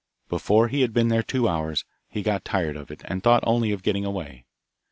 Before he had been there two hours, he got tired of it, and thought only of getting away.